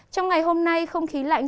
trong ngày hôm nay không khí lạnh